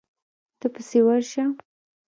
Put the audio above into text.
ته پسې ورشه.